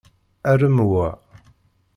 Arem wa!